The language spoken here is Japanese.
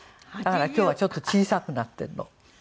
だから今日はちょっと小さくなってるの。